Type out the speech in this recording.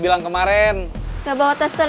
tidak ada yang dijemur